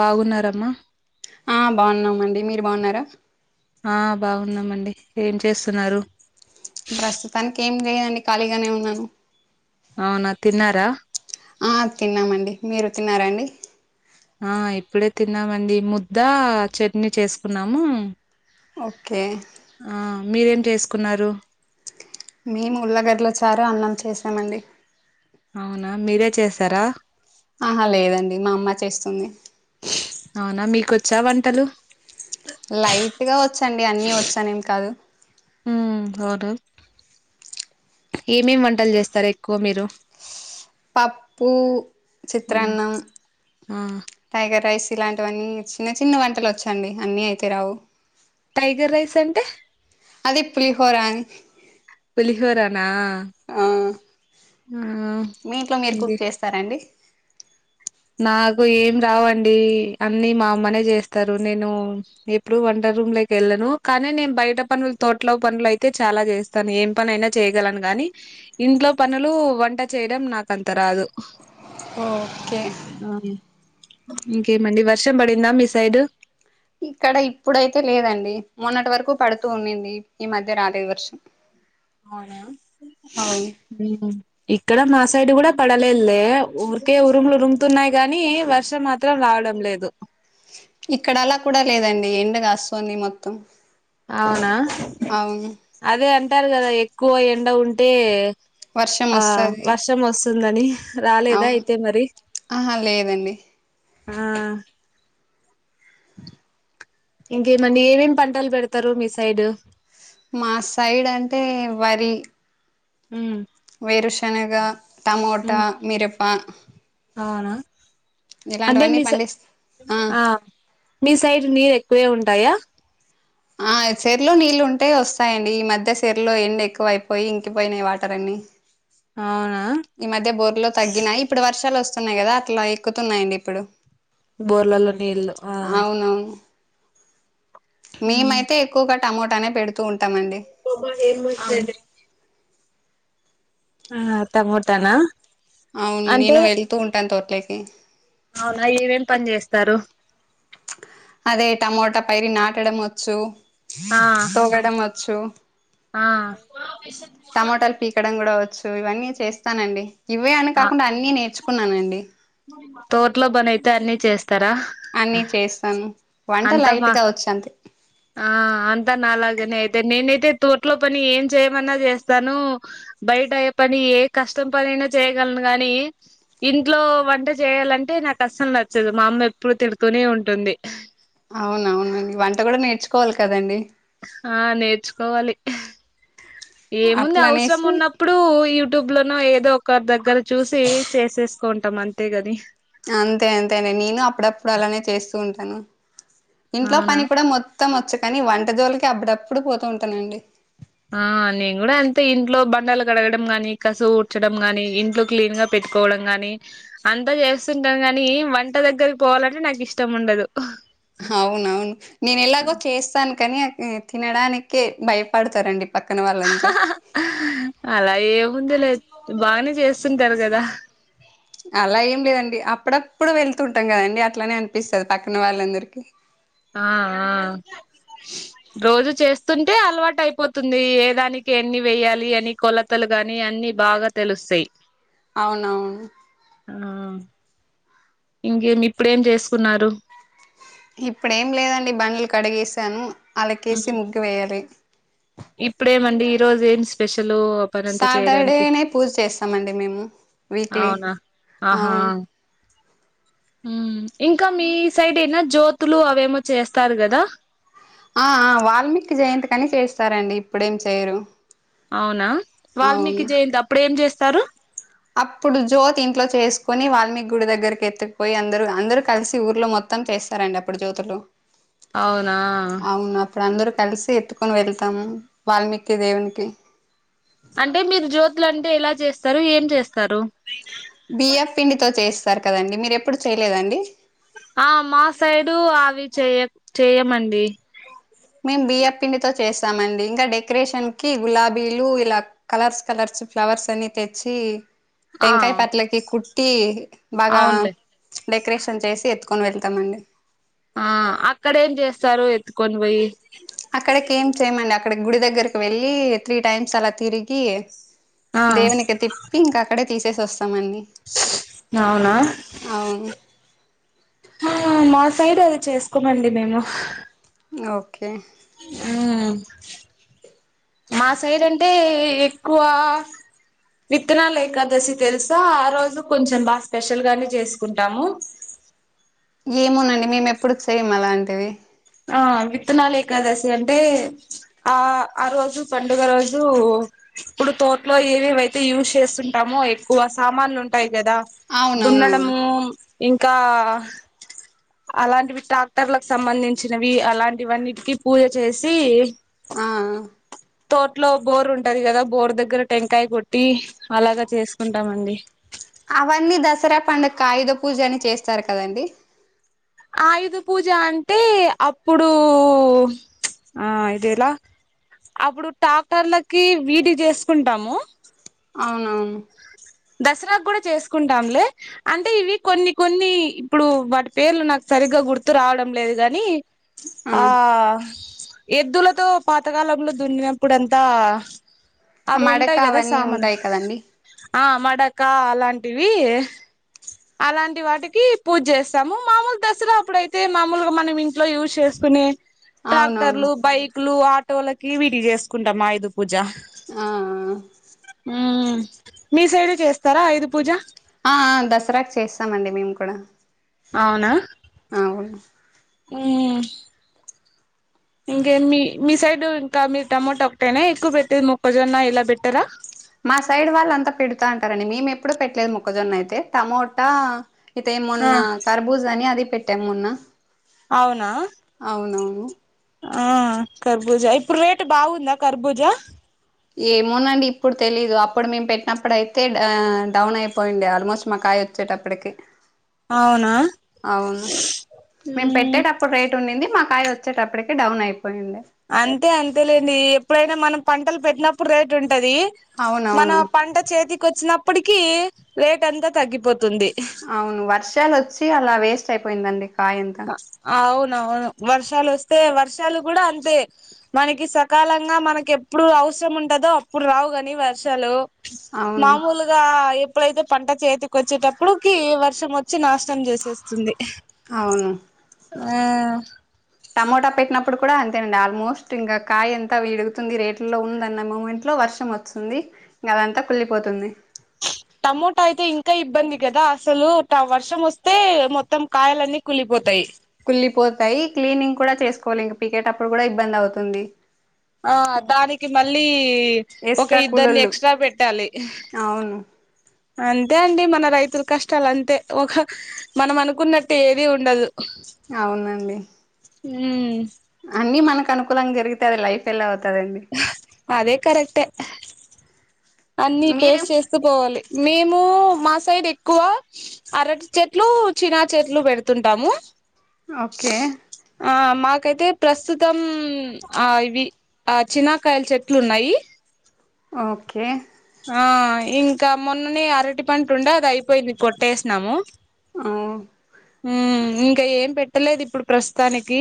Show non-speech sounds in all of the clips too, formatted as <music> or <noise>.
బాగున్నారమ్మా ఆ బాగున్నామండి మీరు బాగున్నారా ఆ బాగున్నామండి ఏం చేస్తున్నారు ప్రస్తుతానికి ఏం చేయలేదండి ఖాళీగానే ఉన్నాను అవునా తిన్నారా ఆ తిన్నామండి మీరు తిన్నారా అండి ఆ ఇప్పుడే తిన్నామండి ముద్ద, చట్నీ చేసుకున్నాము ఓకే ఆ మీరేం చేసుకున్నారు మేము ఉల్ళగడ్ల చారా అన్నం చేసామండి అవునా మీరే చేసారా ఆహా లేదండి మా అమ్మ చేస్తుంది అవునా మీకొచ్చా వంటలు లైట్గా వచ్చండి అన్నిీ వచ్చానేం కాదు హ్మ్ అవుదు ఏమేమి వంటలు చేస్తారు ఎక్కువ మీరు పప్పు, ఉమ్, చిత్రాన్నం, ఆ టైగర్ రైస్ ఇలాంటివన్నీ చిన్న చిన్న వంటలు వచ్చండి అన్ని అయితే రావు టైగర్ రైస్ అంటే అదే పులి హోరా అని పులిహోర నా ఆ మీ ఇంట్లో మీరు కుక్ చేస్తారండి నాకు ఏం రావండి అన్నిీ మా అమ్మనే చేస్తారు నేను ఎప్పుడు వంట రూమ్ లోకి వెళ్ళను కానీ నేను బయట పనులు తోటలో పనులు అయితే చాలా చేస్తాను ఏం పని అయినా చేయగలను గానీ కానీ ఇంట్లో పనులు, వంట చేయడం నాకు అంత రాదు ఓ ఆ ఇంకేమండి వర్షం పడిందా మీ సైడ్ ఇక్కడ ఇప్పుడైతే లేదండి మొన్నటి వరకు పడుతూ ఉన్నింది ఈ మధ్య రాలేదు వర్షం అవునా అవును ఉహూ ఇక్కడ మా సైడ్ కూడా పడలేదుదే ఊరికే ఉరుములు ఉరుముతున్నాయి కానీ వర్షం మాత్రం రా వడం లేదు ఇక్కడ అలా కూడా లేదండి ఎండ కాస్తోంది మొత్తం అవునా అవును అదే అంటారు కదా ఎక్కువ ఎండ ఉంటే వర్షం ఆ వస్తది వర్షం వస్తుందని రాలేదా అవును అయితే మరి ఆహా లేదండి ఆ ఇంకేమండి ఏమేమి పంటలు పెడతరు మీ సైడ్ మా సైడ్ అంటే వరి హ్మ్ వేరుశనగ టమోటా మిరప అవునా అంటే ఇలాంటివన్నీ మీ సై పండిస్ ఆ మీ సైడ్ నీర్ ఎ ఎక్కువే ఉంటాయా చెరలో నీళ్ళు ఉంటే వస్తాయండి ఈ మధ్య చెరలో ఎండ ఎక్కువయిపోయి ఇంకిపోయినాయి వాటర్ అన్ని అవునా ఈ మధ్య బోర్లు తగ్గినాయి ఇప్పుడు వర్షాలు వస్తున్నాయి కదా అట్లా ఎక్కుతున్నాయండి ఇప్పుడు బోర్లలో నీళ్ళ ఆ మేమయితే ఎక్కువగా టమోటానే పెడుతూ ఉంటా బాబా ఏం పెట్టారు ఆ అత్తమ్ముంటానా అవును నేను వెళ్తూ ఉంటాను తోటల్కి అవునా ఏమేం పని చేస్తారు అదే టమోటా పైరు నాటడం వచ్చు ఆ తోగడం వచ్చు ఆ టమటాలు పీకడం కూడా వచ్చు సో ఇవన్నీ చేస్తానండి ఇవే అని కాకుండా అన్నీ నేర్చుకున్నానండి తోట్లో పని అయితే అన్ని చేస్ అన్ని చేస్తాను వంట అంత లైట్ మా గా వచ్చు అంతే ఆ అంత అలాగ అయితే నేనైతే తోట్లో పని ఏం చేయమన్నా చేస్తాను బయట యే పని కష్టం పనినా చేయగలను గానీ ఇంట్లో వంట చేయాలంటే నాకు కష్టం నచ్చదు మా అమ్మ ఎప్పుడు తిడుతూనే ఉంటుంది అవునవునండి వంట కూడా నేర్చుకోవాలి కదండి హా నేర్చుకోవాలి ఏముంది అవసరం అట్లనేసి ఉన్నప్పుడు యూట్యూబ్ లో నో ఏదో ఒకరి దగ్గర చూసి చేసేసుకుంటాం అంతే గది అంతే అంతే అం నేను అప్పుడప్పుడు అలానే చేస్తూ ఉంటాను ఇంట్లో అవునా పని కూడా మొత్ త్తం వచ్చు కానీ వంట జోలికె అప్పుడప్పుడు పోతూ ఉంటానండి ఆ నేను కూడా అంతే ఇంట్లో బండలు కడగడం గానీ కసు కుడ్చడం గాని ఇంట్లో క్లీన్ గా పె కోవడం గాని అంతా చేస్తుంటాం కాని వంట దగ్గరకి పోవాలంటే నాకు ఇష్టం ఉండదు అవునవును నేను ఎలాగో చేస్తాన్ కాని తినడానికే భయపడతారండి పక్కన వాళ్ళంతా అలా అయ్యదు ముందు లేద్ బాగానే చేస్తుంటారు కదా అలా ఏం లేదండి అప్పుడప్పుడు వెళ్తుంటాం కదండి అట్లనే అనిపిస్తుంది పక్కన వాళ్ళందరికీ అ ఆ ఆ రోజు చేస్ స్తుంటే అలవాటు అయిపోతుంది ఏదానికి ఎన్ని వేయ్యాలి అని కొలతలు గాని అన్ని బాగా తెలుస్ స్తయ్ అవునవును అవునా ఇంకేమి ఇప్పుడేం చేసుకున్నారు ఇప్పుడేం లేదండి బండ్లు కడిగేసాను అలకేసి ఉమ్. ముగ్గు వేయాలి ఇప్పుడేమండి ఈరోజు ఏం స్పెష లు పనంత చేయడానికి సాటర్డేనే పూజ చేస్తామండి మేము వీక్లీ అవున ఆహా అవును ఉమ్ ఇంక మీ సైడ్ ఎన్నో జ్యోతులు అవేమో చేస్తారు కదా? అ ఆ వాల్మీకి జయంతి కని చేస్తారండి ఇప్పుడేం చేయరు అవునా అవును వాల్మీకి జయంతి అప్పుడు ఏం చేస్తారు అప్పుడు జ్యోత్ ఇంట్లో చేసుకొని వాల్మీకి గుడి దగ్గరకి ఎత్తుకుపోయి అందరు అందరూ కలిసి ఊర్లో మొత్ మొత్తం చేస్తారండి అప్పుడు జ్యోతులు అవునా అవును అప్పుడు అందరూ కలిసి ఎత్తుకొని వెళ్తాము వాల్మీకి దేవునికి అంటె మీరు జ్యోతులు అంటె ఎలా చేస్తరు ఏం చేస్తరు? బియ్య పిండితో చేస్తారు కదండి మీరు ఎప్పుడు చేయలేదండి? ఆ మా సైడు అవి చేయ చెయ్యమండి స్తామండి ఇంకా డెకరేషన్ కి గులాబీలు ఇలా కలర్స్ కలర్స్ ఫ్లవర్స్ అన్ని తెచ్చి ఆ టెంకాయ పట్లకి కుట్టి బాగా అవునులే డెకరేషన్ చేసి ఎత్తుకొని వెళ్తామండి ఆ అక్కడ ఏం చేస్తారు ఎత్తుకొని పోయి అక్కడికి ఏం చేయమండి అక్కడికి గుడి దగ్గరకి వెళ్ళి త్రీ టైమ్స్ అలా తిరిగి ఆ దేవునికి తిప్పి ఇంక అక్కడే తీసేస్ అవునా అవును తినడానికి చేసుకోమండి మేము హ్ ఓకే ఉమ్ మా సైడ్ అంటే ఎక్కువ విత్తనాలు ఏకాదశి తెలుసా ఆ రోజు కొంచెం బాగా స్పెషల్ గానే చేసుకుంటాము <inaudible> ఏమోనండి మేము ఎప్పుడు చేయము అలాంటివి ఆ విత్తనాలు ఏకాదశి అంటే ఆ ఆ రోజు పండుగ రోజూ ఇప్పుడు తోటలో ఏవెవైతే యూజ్ చేస్తుంటామో ఎక్కువ సామాన్లు ఉంటయి కద అవునవునవును దున్నడము ఇంకా అలాంటివి ట్రాక్టర్లకు సంబంధించినవి అలాంటి వన్నిటికి పూజ చేసి ఆ తోట్లో బోర్ ఉంటది కదా బోర్ దగ్గర టెంకాయ కొట్టి అలాగ చేసుకుంటమండి. పూజని చేస్తారు కదండీ ఆయుధ పూజ అంటె అప్పుడూ ఆ ఇదెలా అప్పుడు టాక్టర్లకి వీడి చేసుకుంటము అవునవును దసరా కు కూడా చేసుకుంటాంలె అంటె ఇవి కొన్ని కొన్ని ఇప్పుడు వాటి పేర్లు నాకు సరిగ సరిగ్గ గుర్తు రావడం లేదు కాగాని ఆ ఎద్దులతో పాతకాలంలో దున్నినప్పుడంతా అవి మడక ఉంటాయి గదా అవన్నీ సామాన్లు ఉంటాయి కదండి ఆ మడక అలాంటివి అలాంటి వాటికి పూజ జేస్తాము మామూలు దసరా అప్పుడైతే మామూలుగా మనం ఇంట్లో యూజ్ చేస్ కొనే అవునవును ట్రాక్టర్లు బైక్లు ఆటోలకి వీటి చేసుకుంటాం ఆయుధ్ పూజ ఆ ఉమ్ మీ సైడు చేస్తారా ఆయుధ పూజ ఆ ఆ దసరాకు చేస్తామండి మేము కూడా అవునా అవును ఉమ్ ఇంకే మీ మీ సైడ్ ఇంకా మీ టమాటా ఒకటైనా ఎక్కువ పెట్టేది మొక్కజొన్న ఇలా పెట్టరా మా సైడ్ వాళ్ళంతా పెడతా అంటారండి మేము ఎప్పుడు పెట్టలేదు మొక్కజొన్న అయితే టమోటా అయితే ఆ మొన్న కర్బూజ అని అది పెట్టా మొన్న అవునవును ఉమ్ కర్బూజ ఇప్పుడు రేటు బాగుందా కర్బూజ ఏమోనండి ఇప్పుడు తెలీదు అప్పుడు మేము పెట్టినప్పుడు అయితే ఆ డౌన్ అయిపోయిండే ఆల్మోస్ట్ మాకాయలు వచ్చేటప్పడికి అవునా అవును మేము ఉమ్ పెట్టేటప్పుడు రేట్ ఉండింది మాకు కాయ వచ్చేటప్పడికి డౌన్ అయి అంతే అంతేలేండి ఎప్పుడైనా మనం పంటలు పెట్టినప్పుడు రేట్ ఉం టది మన అవునవును పంట చేతికి వచ్చినప్పటికి రేట్ అంతా తగ్గిపోతు అవును వర్షాలు వచ్చి అలా వేస్ట్ అయిపోయిందండి కాయంతా అవున్ అవును వర్షాలు వస్తే వర్షాలు కూడా అంతే మనకి సకాలంగా మనకి ఎప్పుడు అ వసరం ఉంటదో అప్పుడు రావు గాని వర్షాలు అవును మామూలుగా ఎప్పుడైతే పంట చేతికి వచ్చేటప్పుడుకి వర్షం వచ్చి నాష్ ష్టం చేసేస్తుంది అవును ఆ టమోటా పెట్టి న ప్పుడు కూడా అంతేనండి ఆల్మోస్ట్ ఇంగ కాయ ఎంత విడుగుతుంది రేట్ లో ఉందన్న మూమెంట్ లో వర్షం వస్తుంది ఇంగా అదంతా కుళ్లిపోతుంది <inaudible> టమోటా అయితే ఇంకా ఇబ్బంది గదా అసలు వర్షం వస్తే మొత్తం కాయలన్నీ కుళ్ళిపోతాయి కుళ్ళిపోతాయి క్లీనింగ్ కూడా చేసుకోవాలి ఇంక పీకేటప్పుడు కూడా ఇబ్బంది అవుతుంది. ఆ దానికి మళ్ళీ ఒక ఎస్ట్రా ఇద్దని ఎక్స్ట్రా పెట్టాలి. ఆ అంతే అండి మన రైతుల కష్టాలు అంతే ఒక మనం అనుకున్నట్టు ఏదీ ఉండదు అవునండి ఉమ్ అన్ని మనకు అనుకూలంగా జరిగితే అది లైఫ్ ఎలా అవు అదే కరెక్టే అన్ని మీరు ఫేస్ చేస్తూ పోవాలి మేము మా సైడ్ ఎక్కువ అరటి చెట్లు చినా చెట్లు పెడుతుంటాము ఓకే ఆ మాకైతే ప్రస్తుతం ఆ ఇవి ఆ చినాకాయల చెట్లు ఉన్నాయి. ఓకే ఆ ఇంకా మొన్ననే అరటి పంట ఉండే అది అయిపోయింది కొట్టేసినాము ఆ ఉమ్ ఇంకా ఏం పెట్టలేదు ఇప్పుడు ప్రస్తుతానికి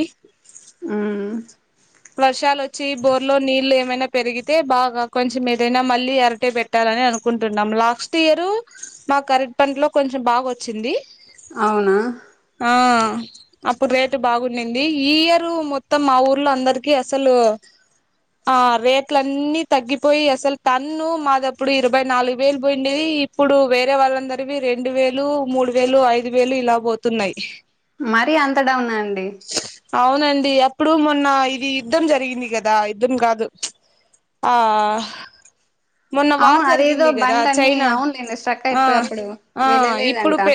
ఉమ్ వర్షాలు వచ్చి బోర్లో నీళ్లు ఏమైనా పెరిగితే బాగా కొంచెం ఏదైనా మళ్ళీ అరటే పెట్టాలని అనుకుంటున్నాం లాస్ట్ ఇయరు మాకు అరెట్ పంటలో కొంచెం బాగా వచ్చింది అవునా ఆ అప్పుడు రేటు బాగుంంది ఈ ఇయరు మొత్తం మా ఊర్లో అందరి అసలు ఆ రేట్ అన్ని తగ్గిపోయి అసలు టన్ను మాదప్పుడు ఇరవై నాలుగు వేలు పోయిండేవి ఇప్పుడు వేరే వాళ్ళ అందరివి రెండు వేలు మూడు వేలు ఐదు వేలు ఇలా పోతున్నాయి. మరి అంత డౌనా అండి అవునండి అప్పుడు మొన్న ఇది యుద్ధం జరిగింది కదా యుద్ధం కాదు ఆ మొన్న వార్ అవును అదేదో జరిగింది కదా బండ్లన్నీ చైనా అవునులేండి స్ట్రక్ ఆ అయిపోయి అప్పుడు ఆ ఇప్పుడు వెళ్ళలేదంట ప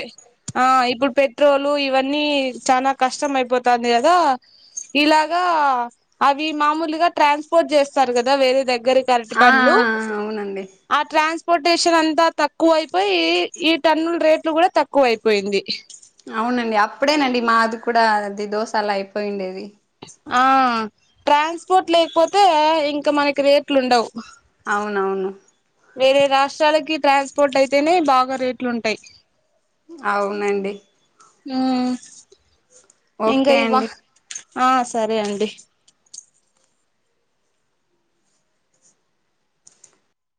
ఆ ఇప్పుడు పెట్రోలు ఇవన్నీ అన్నీ చాలా కష్టం అయిపోతుంది కదా ఇలాగా అవి మామూలుగా ట్రాన్స్పోర్ట్ చేస్తారు కదా వేరే దగ్గరకి అరటి ఆ పండ్లు ఆ అవునండి ఆ ట్రాన్స్ పోర్టేషన్ అంతా తక్కువ అయిపోయి ఈ టన్నుల రేట్లు కూడా తక్కువ అయిపోయింది అవునండి అప్పుడేనండి మాది కూడా అది దోశ అలా అయిపోయిండేది ఆ ట్రాన్స్పోర్ట్ లేకపోతే ఇంకా మనకి రేట్లు ఉండవు అవునవును వేరే రాష్ట్రాలకి ట్రాన్స్పోర్ట్ అయితేనే బాగా రేట్లు ఉంటాయి అవునండి ఉమ్ ఇంకా ఓకే ఇవా అండి ఆ సరే అండి